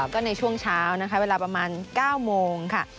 ก็ในช่วงเช้านะคะเวลาประมาณ๙โมงค่ะ